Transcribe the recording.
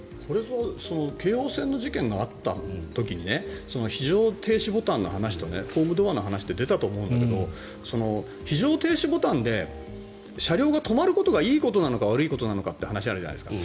京王線の事件があった時に非常停止ボタンとホームドアの話って出たと思うんだけど非常停止ボタンで車両が止まることがいいことなのか悪いことなのかという話があるわけじゃない。